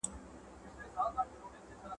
څه وخت زده کوونکي حضوري ټولګي ته حاضرېږي؟